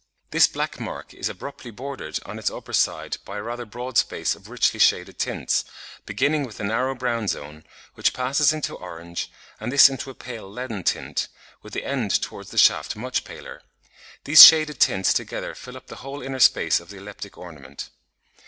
This black mark is abruptly bordered on its upper side by a rather broad space of richly shaded tints, beginning with a narrow brown zone, which passes into orange, and this into a pale leaden tint, with the end towards the shaft much paler. These shaded tints together fill up the whole inner space of the elliptic ornament.